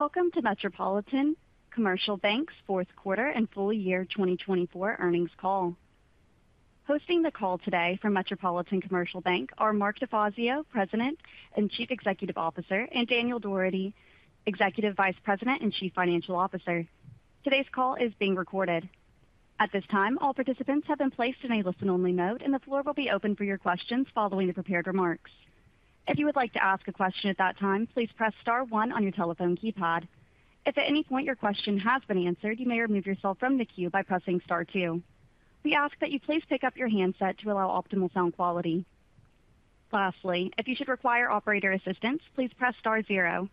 Welcome to Metropolitan Commercial Bank's Fourth Quarter and Full Year 2024 Earnings Call. Hosting the call today for Metropolitan Commercial Bank are Mark DeFazio, President and Chief Executive Officer, and Daniel Dougherty, Executive Vice President and Chief Financial Officer. Today's call is being recorded. At this time, all participants have been placed in a listen-only mode, and the floor will be open for your questions following the prepared remarks. If you would like to ask a question at that time, please press star one on your telephone keypad. If at any point your question has been answered, you may remove yourself from the queue by pressing star two. We ask that you please pick up your handset to allow optimal sound quality. Lastly, if you should require operator assistance, please press star zero.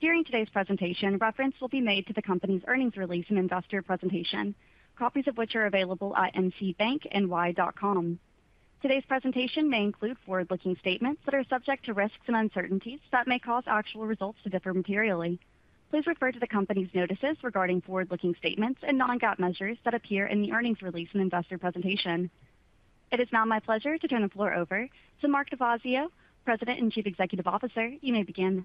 During today's presentation, reference will be made to the company's earnings release and investor presentation, copies of which are available at mcbankny.com. Today's presentation may include forward-looking statements that are subject to risks and uncertainties that may cause actual results to differ materially. Please refer to the company's notices regarding forward-looking statements and non-GAAP measures that appear in the earnings release and investor presentation. It is now my pleasure to turn the floor over to Mark DeFazio, President and Chief Executive Officer. You may begin.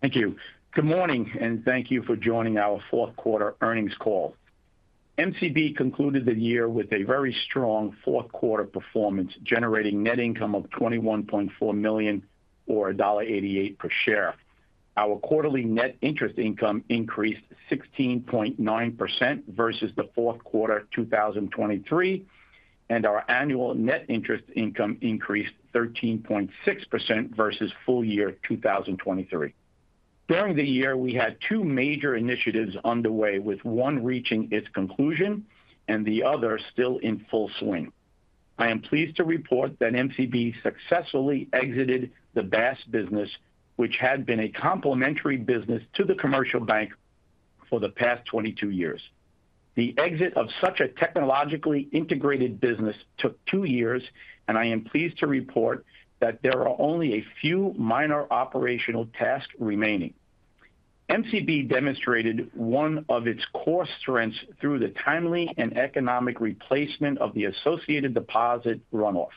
Thank you. Good morning, and thank you for joining our fourth quarter earnings call. MCB concluded the year with a very strong fourth quarter performance, generating net income of $21.4 million or $1.88 per share. Our quarterly net interest income increased 16.9% versus the fourth quarter 2023, and our annual net interest income increased 13.6% versus full year 2023. During the year, we had two major initiatives underway, with one reaching its conclusion and the other still in full swing. I am pleased to report that MCB successfully exited the BaaS business, which had been a complementary business to the Commercial Bank for the past 22 years. The exit of such a technologically integrated business took two years, and I am pleased to report that there are only a few minor operational tasks remaining. MCB demonstrated one of its core strengths through the timely and economic replacement of the associated deposit runoff.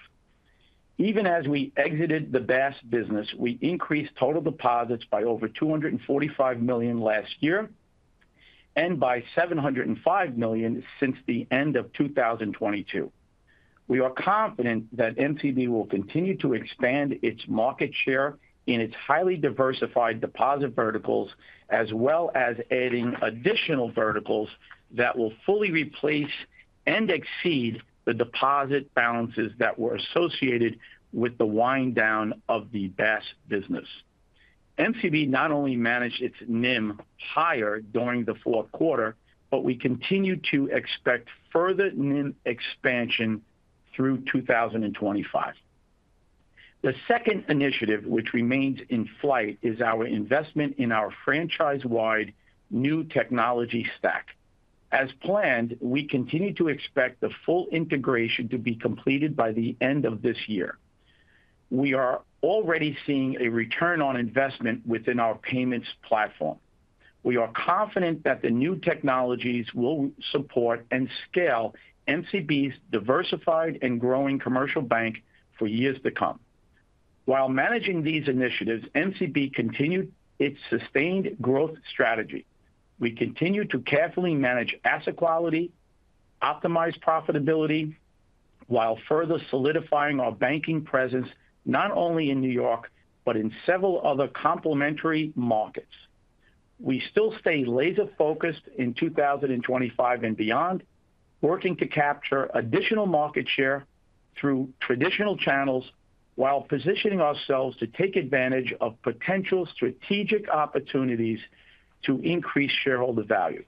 Even as we exited the BaaS business, we increased total deposits by over $245 million last year and by $705 million since the end of 2022. We are confident that MCB will continue to expand its market share in its highly diversified deposit verticals, as well as adding additional verticals that will fully replace and exceed the deposit balances that were associated with the wind down of the BaaS business. MCB not only managed its NIM higher during the fourth quarter, but we continue to expect further NIM expansion through 2025. The second initiative, which remains in flight, is our investment in our franchise-wide new technology stack. As planned, we continue to expect the full integration to be completed by the end of this year. We are already seeing a return on investment within our payments platform. We are confident that the new technologies will support and scale MCB's diversified and growing commercial bank for years to come. While managing these initiatives, MCB continued its sustained growth strategy. We continue to carefully manage asset quality, optimize profitability, while further solidifying our banking presence not only in New York but in several other complementary markets. We still stay laser-focused in 2025 and beyond, working to capture additional market share through traditional channels while positioning ourselves to take advantage of potential strategic opportunities to increase shareholder value.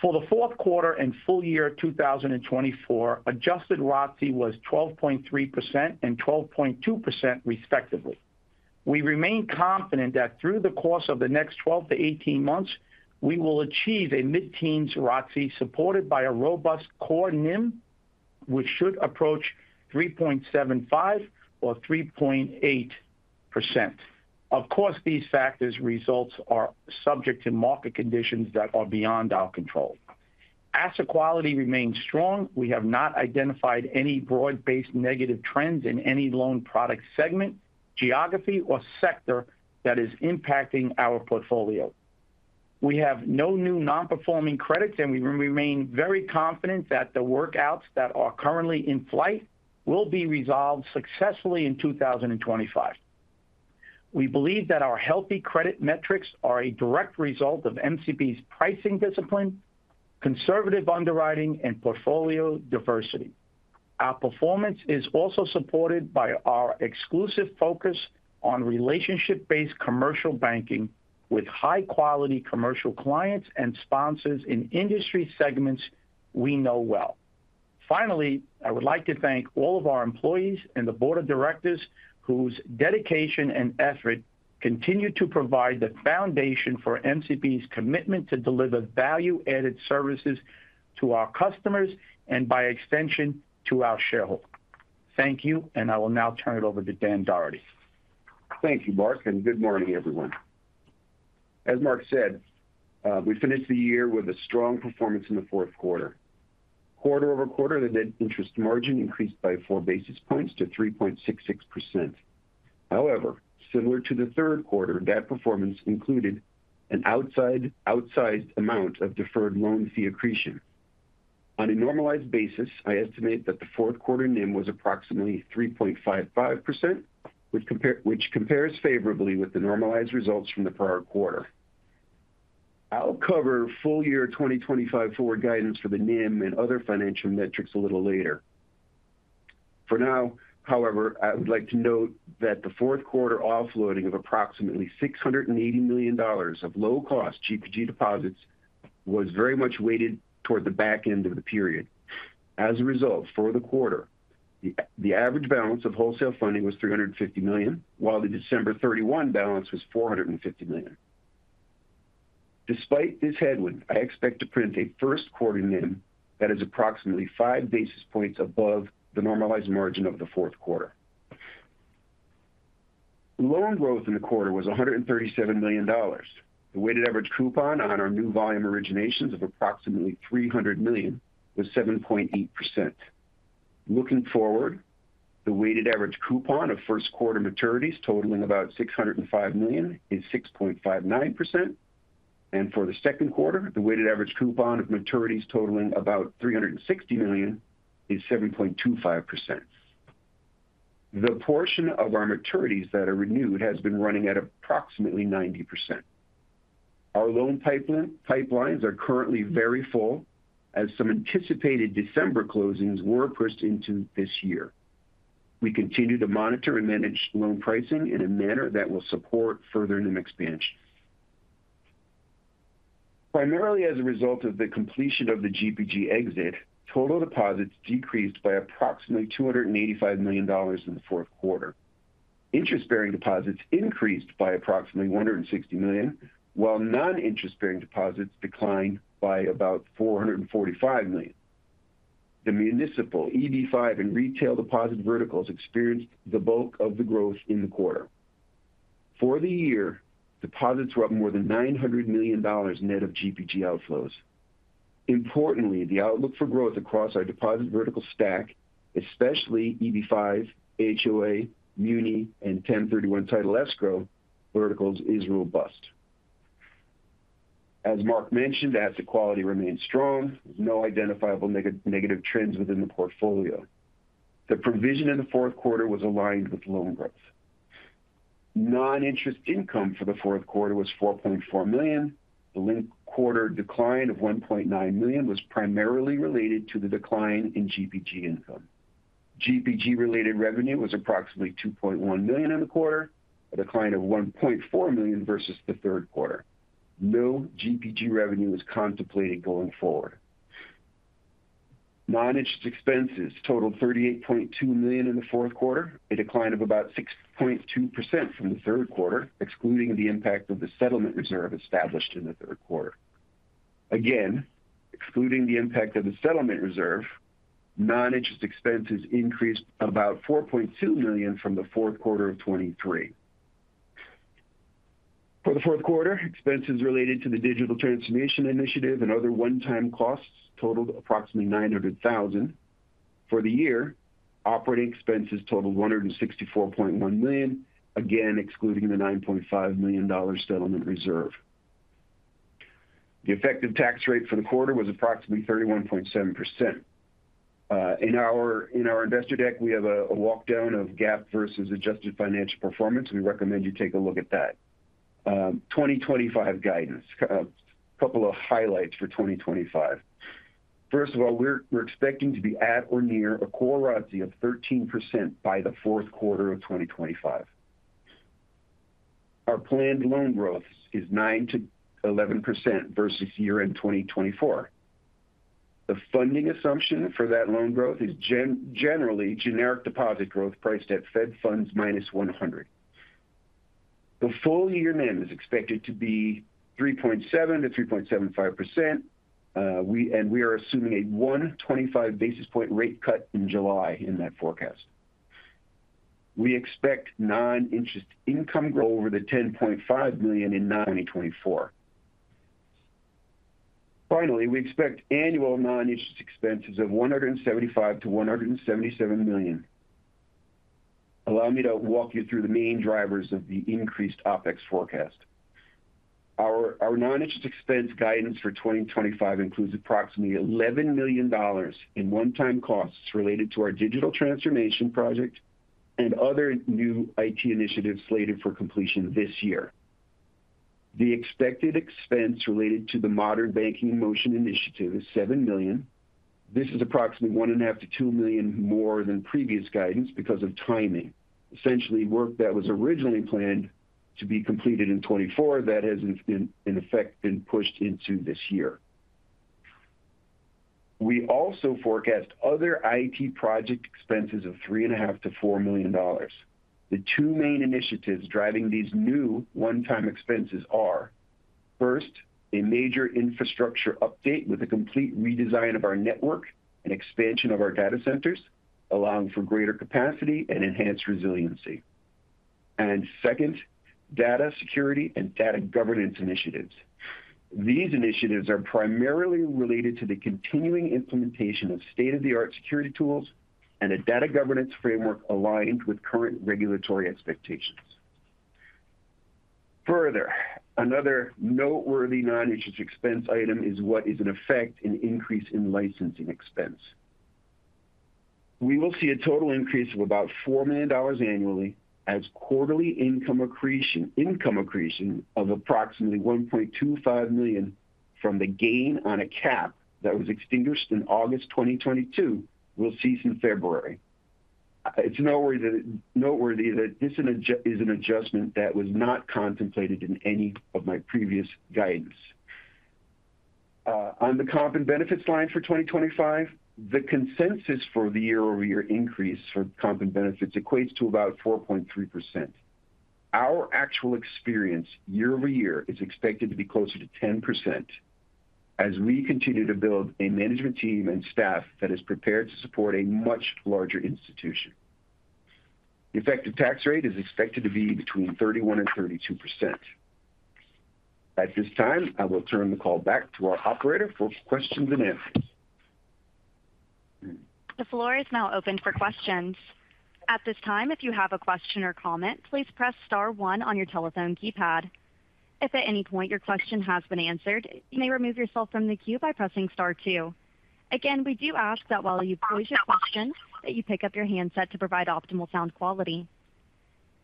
For the fourth quarter and full year 2024, Adjusted ROTCE was 12.3% and 12.2%, respectively. We remain confident that through the course of the next 12 to 18 months, we will achieve a mid-teens ROTCE supported by a robust core NIM, which should approach 3.75% or 3.8%. Of course, these factors' results are subject to market conditions that are beyond our control. Asset quality remains strong. We have not identified any broad-based negative trends in any loan product segment, geography, or sector that is impacting our portfolio. We have no new non-performing credits, and we remain very confident that the workouts that are currently in flight will be resolved successfully in 2025. We believe that our healthy credit metrics are a direct result of MCB's pricing discipline, conservative underwriting, and portfolio diversity. Our performance is also supported by our exclusive focus on relationship-based commercial banking with high-quality commercial clients and sponsors in industry segments we know well. Finally, I would like to thank all of our employees and the board of directors whose dedication and effort continue to provide the foundation for MCB's commitment to deliver value-added services to our customers and, by extension, to our shareholders. Thank you, and I will now turn it over to Dan Dougherty. Thank you, Mark, and good morning, everyone. As Mark said, we finished the year with a strong performance in the fourth quarter. Quarter-over-quarter, the net interest margin increased by four basis points to 3.66%. However, similar to the third quarter, that performance included an outsized amount of deferred loan fee accretion. On a normalized basis, I estimate that the fourth quarter NIM was approximately 3.55%, which compares favorably with the normalized results from the prior quarter. I'll cover full year 2025 forward guidance for the NIM and other financial metrics a little later. For now, however, I would like to note that the fourth quarter offloading of approximately $680 million of low-cost GPG deposits was very much weighted toward the back end of the period. As a result, for the quarter, the average balance of wholesale funding was $350 million, while the December 31 balance was $450 million. Despite this headwind, I expect to print a first quarter NIM that is approximately five basis points above the normalized margin of the fourth quarter. Loan growth in the quarter was $137 million. The weighted average coupon on our new volume originations of approximately $300 million was 7.8%. Looking forward, the weighted average coupon of first quarter maturities totaling about $605 million is 6.59%, and for the second quarter, the weighted average coupon of maturities totaling about $360 million is 7.25%. The portion of our maturities that are renewed has been running at approximately 90%. Our loan pipelines are currently very full, as some anticipated December closings were pushed into this year. We continue to monitor and manage loan pricing in a manner that will support further NIM expansion. Primarily as a result of the completion of the GPG exit, total deposits decreased by approximately $285 million in the fourth quarter. Interest-bearing deposits increased by approximately $160 million, while non-interest-bearing deposits declined by about $445 million. The municipal EB-5 and retail deposit verticals experienced the bulk of the growth in the quarter. For the year, deposits were up more than $900 million net of GPG outflows. Importantly, the outlook for growth across our deposit vertical stack, especially EB-5, HOA, Muni, and 1031 Title Escrow verticals, is robust. As Mark mentioned, asset quality remained strong. There's no identifiable negative trends within the portfolio. The provision in the fourth quarter was aligned with loan growth. Non-interest income for the fourth quarter was $4.4 million. The quarter decline of $1.9 million was primarily related to the decline in GPG income. GPG-related revenue was approximately $2.1 million in the quarter, a decline of $1.4 million versus the third quarter. No GPG revenue is contemplated going forward. Non-interest expenses totaled $38.2 million in the fourth quarter, a decline of about 6.2% from the third quarter, excluding the impact of the settlement reserve established in the third quarter. Again, excluding the impact of the settlement reserve, non-interest expenses increased about $4.2 million from the fourth quarter of 2023. For the fourth quarter, expenses related to the digital transformation initiative and other one-time costs totaled approximately $900,000. For the year, operating expenses totaled $164.1 million, again excluding the $9.5 million settlement reserve. The effective tax rate for the quarter was approximately 31.7%. In our investor deck, we have a walkdown of GAAP versus adjusted financial performance. We recommend you take a look at that. 2025 guidance, a couple of highlights for 2025. First of all, we're expecting to be at or near a core ROTCE of 13% by the fourth quarter of 2025. Our planned loan growth is 9%-11% versus year-end 2024. The funding assumption for that loan growth is generally generic deposit growth priced at Fed funds minus 100. The full year NIM is expected to be 3.7%-3.75%, and we are assuming a one 25 basis point rate cut in July in that forecast. We expect non-interest income over the $10.5 million in 2024. Finally, we expect annual non-interest expenses of $175 million-$177 million. Allow me to walk you through the main drivers of the increased OpEx forecast. Our non-interest expense guidance for 2025 includes approximately $11 million in one-time costs related to our digital transformation project and other new IT initiatives slated for completion this year. The expected expense related to the Modern Banking Motion initiative is $7 million. This is approximately $1.5 million-$2 million more than previous guidance because of timing. Essentially, work that was originally planned to be completed in 2024, that has in effect been pushed into this year. We also forecast other IT project expenses of $3.5 million-$4 million. The two main initiatives driving these new one-time expenses are, first, a major infrastructure update with a complete redesign of our network and expansion of our data centers, allowing for greater capacity and enhanced resiliency, and second, data security and data governance initiatives. These initiatives are primarily related to the continuing implementation of state-of-the-art security tools and a data governance framework aligned with current regulatory expectations. Further, another noteworthy non-interest expense item is what is in effect an increase in licensing expense. We will see a total increase of about $4 million annually as quarterly income accretion of approximately $1.25 million from the gain on a cap that was extinguished in August 2022 will cease in February. It's noteworthy that this is an adjustment that was not contemplated in any of my previous guidance. On the comp and benefits line for 2025, the consensus for the year-over-year increase for comp and benefits equates to about 4.3%. Our actual experience year-over-year is expected to be closer to 10% as we continue to build a management team and staff that is prepared to support a much larger institution. The effective tax rate is expected to be between 31% and 32%. At this time, I will turn the call back to our operator for questions and answers. The floor is now open for questions. At this time, if you have a question or comment, please press star one on your telephone keypad. If at any point your question has been answered, you may remove yourself from the queue by pressing star two. Again, we do ask that while you pose your question, that you pick up your handset to provide optimal sound quality.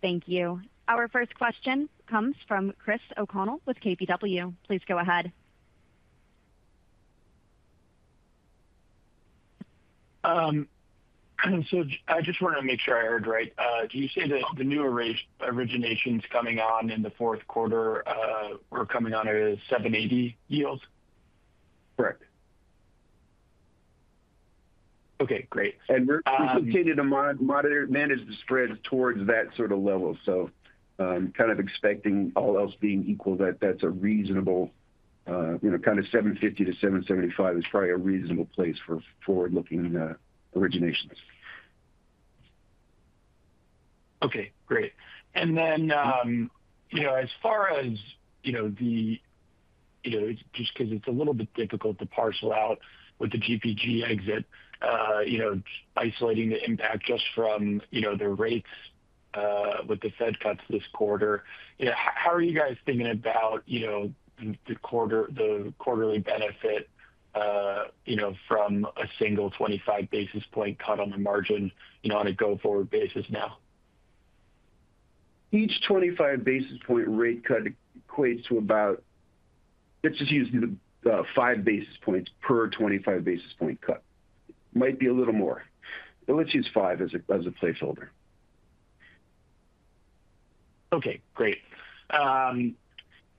Thank you. Our first question comes from Chris O'Connell with KBW. Please go ahead. So I just want to make sure I heard right. Did you say that the new originations coming on in the fourth quarter were coming on at a 7.80% yield? Correct. Okay, great. And we've continued to manage the spreads towards that sort of level. So kind of expecting all else being equal, that that's a reasonable kind of 7.50%-7.75% is probably a reasonable place for forward-looking originations. Okay, great. And then as far as the, just because it's a little bit difficult to parcel out with the GPG exit, isolating the impact just from the rates with the Fed cuts this quarter, how are you guys thinking about the quarterly benefit from a single 25 basis point cut on the margin on a go-forward basis now? Each 25 basis point rate cut equates to about, let's just use five basis points per 25 basis point cut. Might be a little more, but let's use five as a placeholder. Okay, great.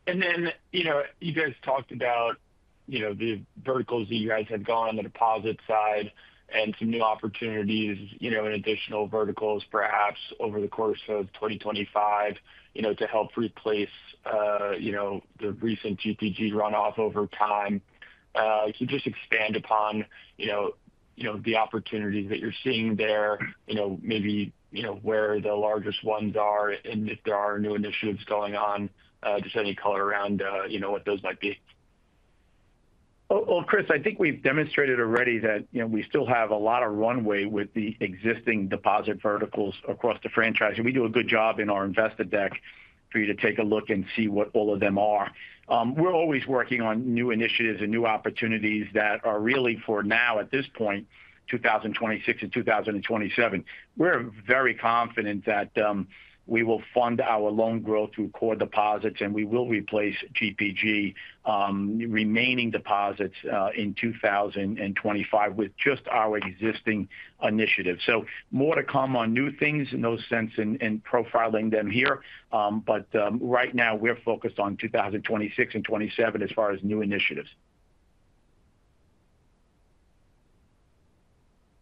And then you guys talked about the verticals that you guys have gone on the deposit side and some new opportunities, an additional verticals perhaps over the course of 2025 to help replace the recent GPG runoff over time. So just expand upon the opportunities that you're seeing there, maybe where the largest ones are and if there are new initiatives going on, just any color around what those might be? Chris, I think we've demonstrated already that we still have a lot of runway with the existing deposit verticals across the franchise. We do a good job in our investor deck for you to take a look and see what all of them are. We're always working on new initiatives and new opportunities that are really for now, at this point, 2026 and 2027. We're very confident that we will fund our loan growth through core deposits, and we will replace GPG remaining deposits in 2025 with just our existing initiatives. So more to come on new things in those sense and profiling them here. But right now, we're focused on 2026 and 2027 as far as new initiatives.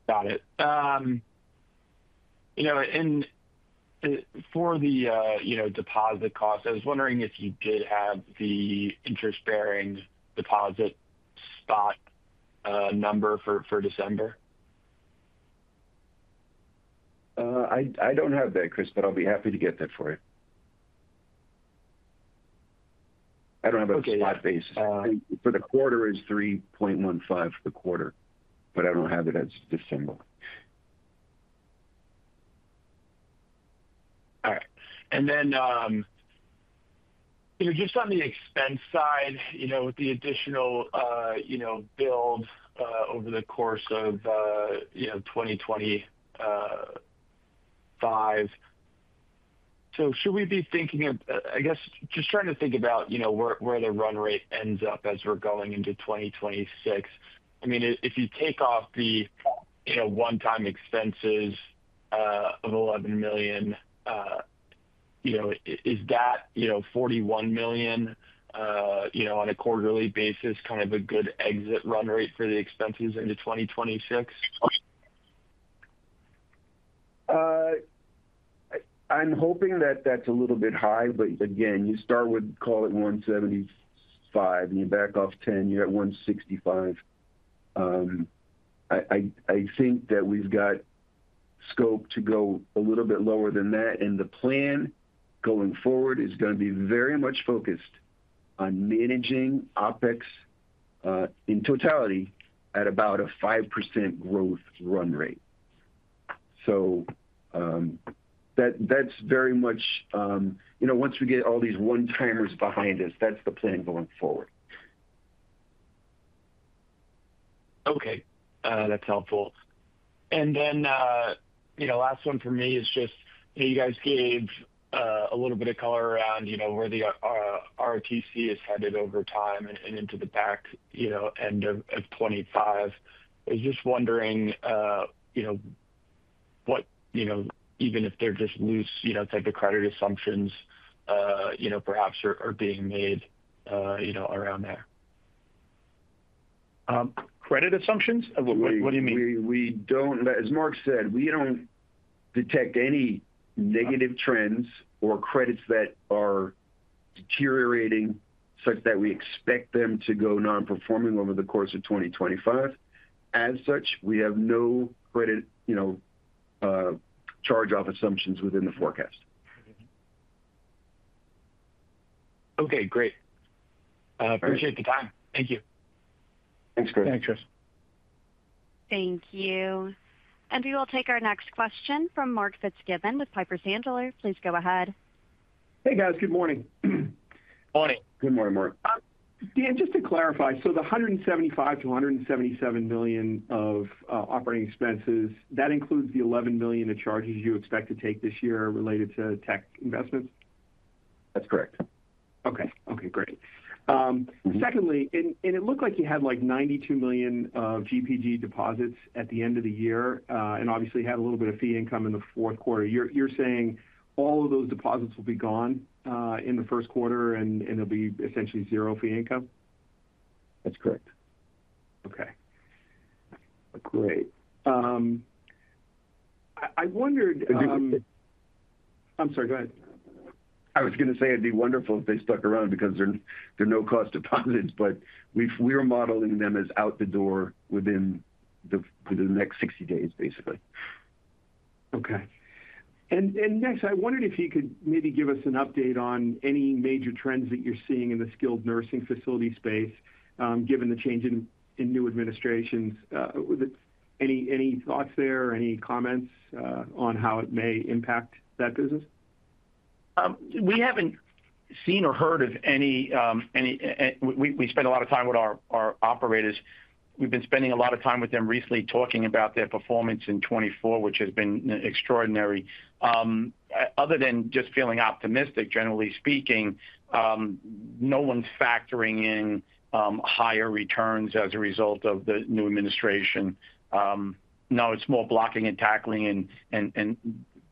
Got it. And for the deposit cost, I was wondering if you did have the interest-bearing deposit spot number for December? I don't have that, Chris, but I'll be happy to get that for you. I don't have a spot basis. For the quarter is 3.15 for the quarter, but I don't have it as December. All right. And then just on the expense side with the additional build over the course of 2025, so should we be thinking of, I guess, just trying to think about where the run rate ends up as we're going into 2026? I mean, if you take off the one-time expenses of $11 million, is that $41 million on a quarterly basis kind of a good exit run rate for the expenses into 2026? I'm hoping that that's a little bit high, but again, you start with, call it 175, and you back off 10, you're at 165. I think that we've got scope to go a little bit lower than that, and the plan going forward is going to be very much focused on managing OpEx in totality at about a 5% growth run rate. So that's very much once we get all these one-timers behind us, that's the plan going forward. Okay. That's helpful. And then last one for me is just you guys gave a little bit of color around where the ROTCE is headed over time and into the back end of 2025. I was just wondering what, even if they're just loose type of credit assumptions, perhaps are being made around there? Credit assumptions? What do you mean? As Mark said, we don't detect any negative trends or credits that are deteriorating such that we expect them to go non-performing over the course of 2025. As such, we have no credit charge-off assumptions within the forecast. Okay, great. Appreciate the time. Thank you. Thanks, Chris. Thanks, Chris. Thank you. We will take our next question from Mark Fitzgibbon with Piper Sandler. Please go ahead. Hey, guys. Good morning. Morning. Good morning, Mark. Dan, just to clarify, so the $175 million-$177 million of operating expenses, that includes the $11 million of charges you expect to take this year related to tech investments? That's correct. Okay. Okay, great. Secondly, and it looked like you had like $92 million of GPG deposits at the end of the year and obviously had a little bit of fee income in the fourth quarter. You're saying all of those deposits will be gone in the first quarter and there'll be essentially zero fee income? That's correct. Okay. Great. I wondered. I'm sorry, go ahead. I was going to say it'd be wonderful if they stuck around because they're no-cost deposits, but we're modeling them as out the door within the next 60 days, basically. Okay. And next, I wondered if you could maybe give us an update on any major trends that you're seeing in the skilled nursing facility space given the change in new administrations. Any thoughts there or any comments on how it may impact that business? We haven't seen or heard of any. We spend a lot of time with our operators. We've been spending a lot of time with them recently talking about their performance in 2024, which has been extraordinary. Other than just feeling optimistic, generally speaking, no one's factoring in higher returns as a result of the new administration. Now it's more blocking and tackling and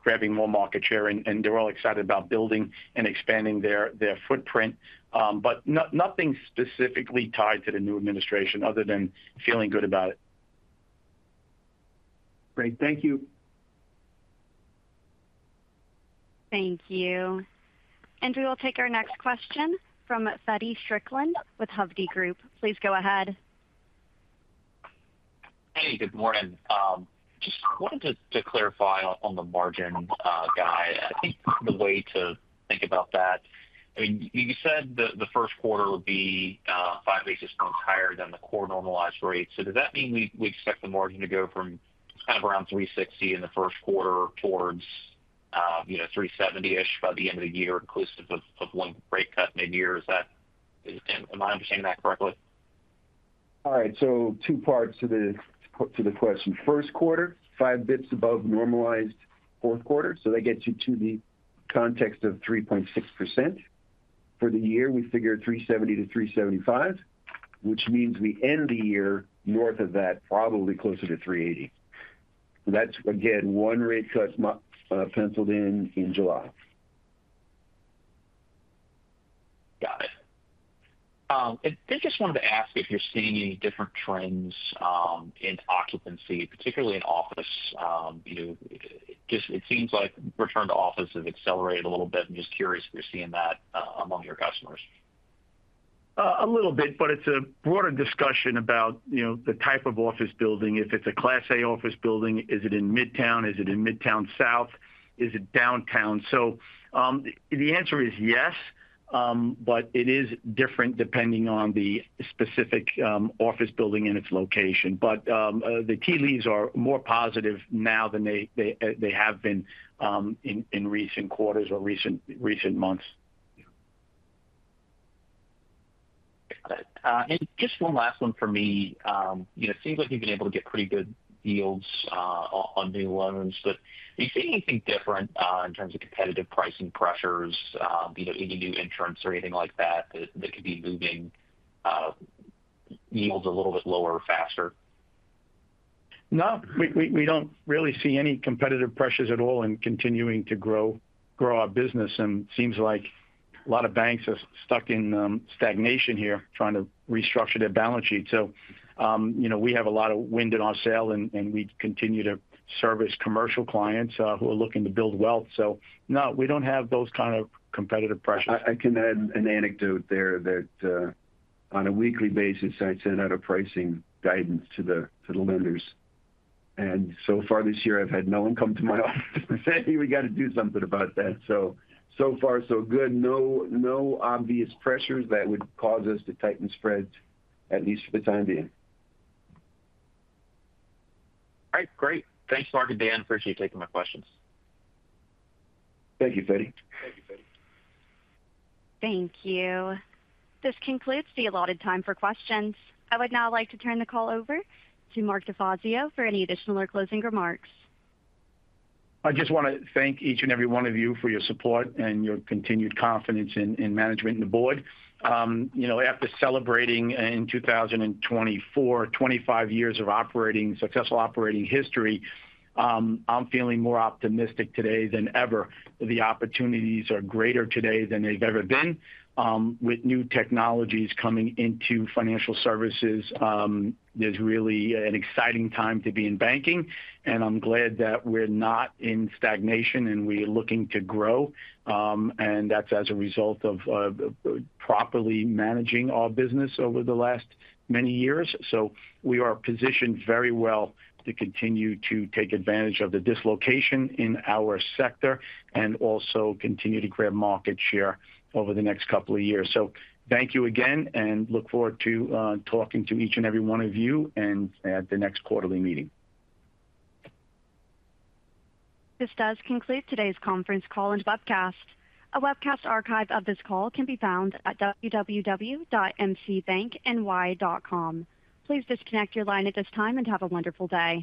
grabbing more market share, and they're all excited about building and expanding their footprint. But nothing specifically tied to the new administration other than feeling good about it. Great. Thank you. Thank you. And we will take our next question from Feddie Strickland with Hovde Group. Please go ahead. Hey, good morning. Just wanted to clarify on the margin guide. I think the way to think about that, I mean, you said the first quarter would be five basis points higher than the core normalized rate. So does that mean we expect the margin to go from kind of around 3.60% in the first quarter towards 3.70%-ish by the end of the year, inclusive of one rate cut mid-year? Am I understanding that correctly? All right. So two parts to the question. First quarter, five basis points above normalized fourth quarter. So that gets you to the context of 3.6%. For the year, we figure 370-375, which means we end the year north of that, probably closer to 380. That's, again, one rate cut penciled in in July. Got it. And I just wanted to ask if you're seeing any different trends in occupancy, particularly in office. It seems like return to office has accelerated a little bit. I'm just curious if you're seeing that among your customers. A little bit, but it's a broader discussion about the type of office building. If it's a Class A office building, is it in Midtown? Is it in Midtown South? Is it downtown? So the answer is yes, but it is different depending on the specific office building and its location. But the tea leaves are more positive now than they have been in recent quarters or recent months. Got it. And just one last one for me. It seems like you've been able to get pretty good deals on new loans, but are you seeing anything different in terms of competitive pricing pressures, any new entrants or anything like that that could be moving yields a little bit lower faster? No. We don't really see any competitive pressures at all in continuing to grow our business, and it seems like a lot of banks are stuck in stagnation here trying to restructure their balance sheet, so we have a lot of wind at our sail, and we continue to service commercial clients who are looking to build wealth, so no, we don't have those kind of competitive pressures. I can add an anecdote there that on a weekly basis, I send out a pricing guidance to the lenders, and so far this year, I've had no one come to my office and say, "Hey, we got to do something about that," so far so good. No obvious pressures that would cause us to tighten spreads, at least for the time being. All right. Great. Thanks, Mark and Dan. Appreciate you taking my questions. Thank you, Feddie. Thank you, Feddie. Thank you. This concludes the allotted time for questions. I would now like to turn the call over to Mark DeFazio for any additional or closing remarks. I just want to thank each and every one of you for your support and your continued confidence in management and the board. After celebrating in 2024, 25 years of successful operating history, I'm feeling more optimistic today than ever. The opportunities are greater today than they've ever been. With new technologies coming into financial services, there's really an exciting time to be in banking, and I'm glad that we're not in stagnation and we're looking to grow. And that's as a result of properly managing our business over the last many years, so we are positioned very well to continue to take advantage of the dislocation in our sector and also continue to grab market share over the next couple of years. So thank you again and look forward to talking to each and every one of you at the next quarterly meeting. This does conclude today's conference call and webcast. A webcast archive of this call can be found at www.mcbankny.com. Please disconnect your line at this time and have a wonderful day.